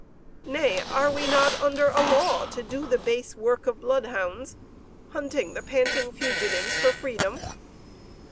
Nay, are we not under a law to do the base work of bloodhounds, hunting the panting fugitives for freedom?